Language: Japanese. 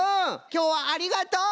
きょうはありがとう！